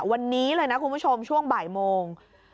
วันนี้เลยนะคุณผู้ชมช่วงบ่ายโมง